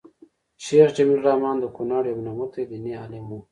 شيخ جميل الرحمن د کونړ يو نوموتی ديني عالم وو